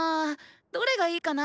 どれがいいかな？